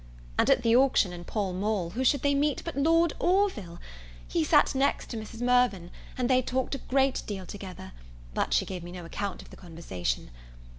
And, at the auction in Pall mall, who should they meet but Lord Orville. He sat next to Mrs. Mirvan, and they talked a great deal together; but she gave me no account of the conversation.